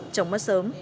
trống mất sớm